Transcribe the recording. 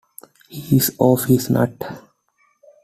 He's off his nut.